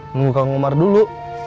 tunggu kang omar dulu